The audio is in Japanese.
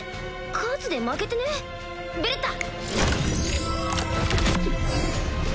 数で負けてね？ベレッタ！